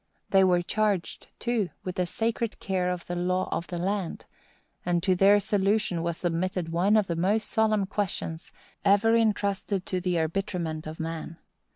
They were charged, too, with the sacred care of the law of the land; and to their solution was submitted one of the most solemn questions ever intrusted to the arbitrament of man.